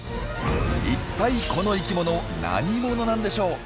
一体この生き物何者なんでしょう？